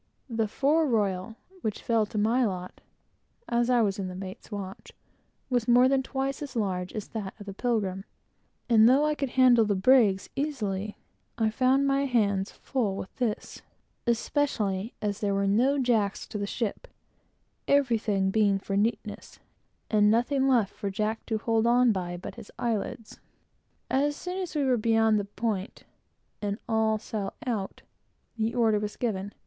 The fore royal, which fell to my lot, (being in the mate's watch,) was more than twice as large as that of the Pilgrim, and, though I could handle the brig's easily, I found my hands full, with this, especially as there were no jacks to the ship; everything being for neatness, and nothing left for Jack to hold on by, but his eyelids. As soon as we were beyond the point, and all sail out, the order was given, "Go below the watch!"